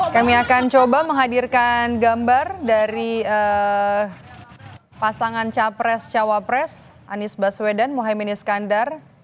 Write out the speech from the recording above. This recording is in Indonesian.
kami akan coba menghadirkan gambar dari pasangan capres cawapres anies baswedan mohaimin iskandar